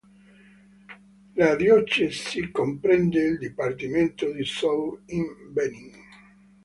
La diocesi comprende il dipartimento di Zou in Benin.